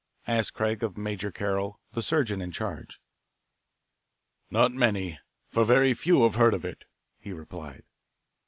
asked Craig of Major Carroll, the surgeon in charge. "Not many, for very few have heard of it," he replied.